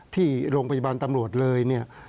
ที่โรงพยาบาลตำรวจเลยเนี่ย